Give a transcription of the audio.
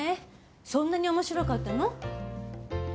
そんなに面白かったの？